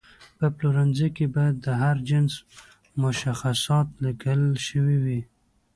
په پلورنځي کې باید د هر جنس مشخصات لیکل شوي وي.